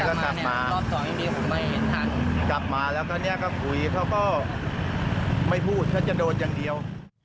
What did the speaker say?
แล้วก็กลับมาแล้วก็กลับมาแล้วก็คุยเขาก็ไม่พูดเขาจะโดนอย่างเดียว